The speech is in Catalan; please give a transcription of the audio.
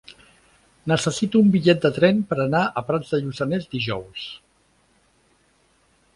Necessito un bitllet de tren per anar a Prats de Lluçanès dijous.